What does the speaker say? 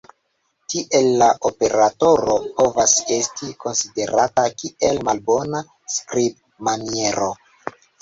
Tiel, la operatoro povas esti konsiderata kiel malbona skribmaniero.